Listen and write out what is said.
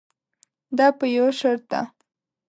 دا په یوه شرط ده.